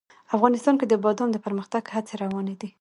افغانستان کې د بادام د پرمختګ هڅې روانې دي.